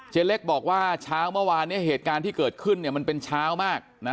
เล็กบอกว่าเช้าเมื่อวานเนี่ยเหตุการณ์ที่เกิดขึ้นเนี่ยมันเป็นเช้ามากนะ